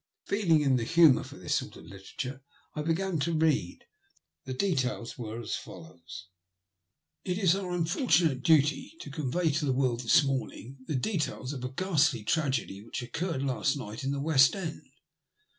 Feeling in the humour for this sort of literature, I began to read. The details were as follows :— "It is our unfortunate duty to convey to the world this morning the details of a ghastly tragedy which occorred last night in the West End.